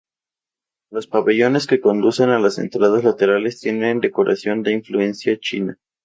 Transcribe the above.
Los pabellones que conducen a las entradas laterales tienen decoración de influencia china.